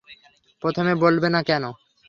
প্রথমে বললে না কেন?